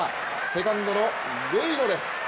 セカンドのウェイドです。